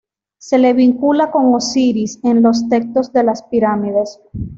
Se le vincula con Osiris en los Textos de las Pirámides.